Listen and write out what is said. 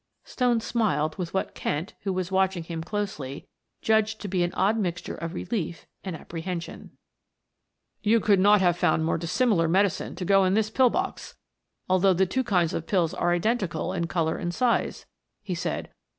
Stone smiled with what Kent, who was watching him closely, judged to be an odd mixture of relief and apprehension. "You could not have found more dissimilar medicine to go in this pill box, although the two kinds of pills are identical in color and size," he said.